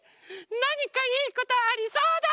なにかいいことありそうだ！